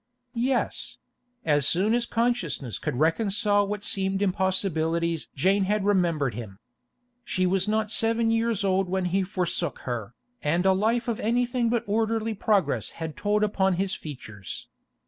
Yes; as soon as consciousness could reconcile what seemed impossibilities Jane had remembered him. She was not seven years old when he forsook her, and a life of anything but orderly progress had told upon his features.